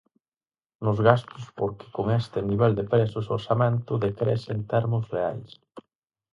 Nos gastos porque con este nivel de prezos o orzamento decrece en termos reais.